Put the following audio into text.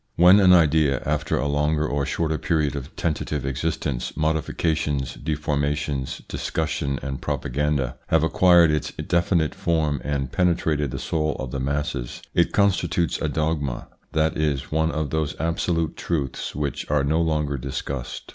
When an idea, after a longer or shorter period of tentative existence, modifications, deformations, dis cussion and propaganda, has acquired its definite form and penetrated the soul of the masses, it constitutes a dogma, that is one of those absolute truths which are no longer discussed.